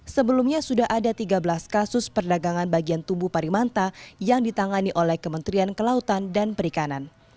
sebelumnya sudah ada tiga belas kasus perdagangan bagian tubuh parimanta yang ditangani oleh kementerian kelautan dan perikanan